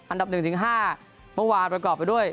อันดับหนึ่งถึงห้าเมื่อวานประกอบไปด้วย